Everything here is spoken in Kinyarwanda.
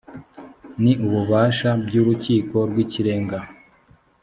ni ububasha by urukiko rw ikirenga